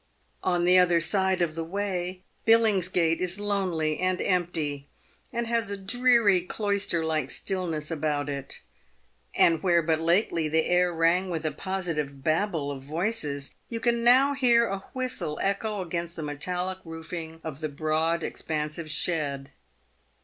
On the other side of the way, Billingsgate is lonely and empty, and has a dreary, cloister like stillness about it ; and where but lately the air rang with a positive Babel of voices, you can now hear a whistle echo against the metallic roofing of the broad, expansive shed.